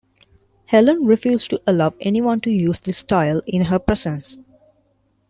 Helen refused to allow anyone to use this style in her presence.